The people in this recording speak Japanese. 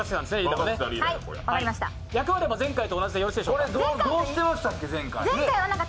役割は前回と同じでよろしいでしょうか。